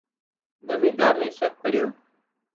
زمينۮار نين شڪ پڙيو